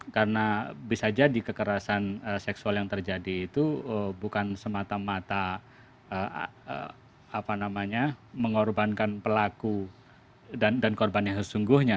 karena bisa jadi kekerasan seksual yang terjadi itu bukan semata mata mengorbankan pelaku dan korbannya sesungguhnya